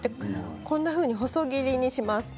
こんなふうに細切りにします。